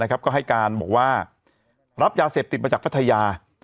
ก็ให้การบอกว่ารับยาเสพติดมาจากพัทยา